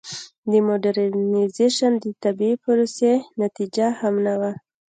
د موډرنیزېشن د طبیعي پروسې نتیجه هم نه وه.